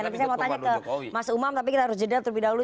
tapi saya mau tanya ke mas umam tapi kita harus jeda terlebih dahulu